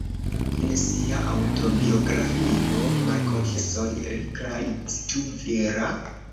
En sia aŭtobiografio, "Malkonfesoj", ri klarigis, “Ĉu vira?